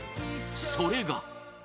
それが］